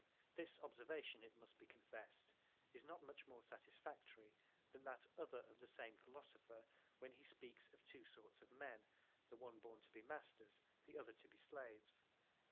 J.B.) This observation it must be confessed is not much more satisfactory than that other of the same philosopher when he speaks of two sorts of men the one born to be masters, the other to be slaves.